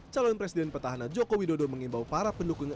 calon presiden petahana jokowi dodo mengimbau para pendukungnya